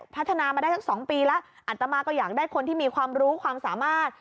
พัฒนามาได้สัก๒ปีแล้วอัตมาก็อยากได้คนที่มีความรู้ความสามารถ